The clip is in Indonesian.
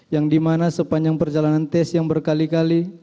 yang dimana sepanjang perjalanan tes yang berkali kali